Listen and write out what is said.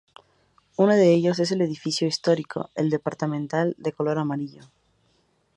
Uno de ellos es el edificio histórico, el departamental, de color amarillo.